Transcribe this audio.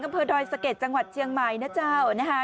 อำเภอดอยสะเก็ดจังหวัดเชียงใหม่นะเจ้านะคะ